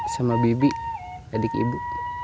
sama bibi adik ibu